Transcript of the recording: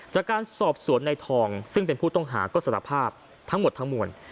จากการสอบสวนในทองซึ่งเป็นผู้ต้องหาก็สารภาพทั้งหมดทั้งมวล